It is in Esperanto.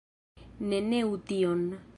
Ne neu tion.